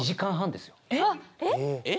「えっ？」